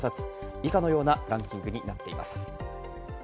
以下のようなランキングになっています。